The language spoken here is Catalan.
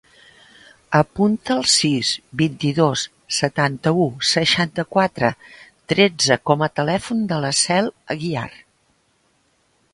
Apunta el sis, vint-i-dos, setanta-u, seixanta-quatre, tretze com a telèfon de la Cel Aguiar.